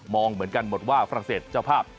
เหมือนกันหมดว่าฝรั่งเศสเจ้าภาพ